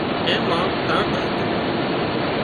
اين مان ڪرنٽ هتو